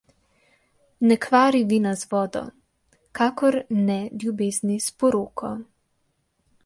Ne kvari vina z vodo, kakor ne ljubezni s poroko.